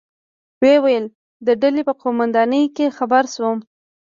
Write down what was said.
ویې ویل: د ډلې په قومندانۍ کې خبر شوم.